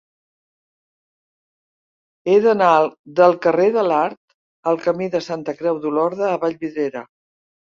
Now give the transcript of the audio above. He d'anar del carrer de l'Art al camí de Santa Creu d'Olorda a Vallvidrera.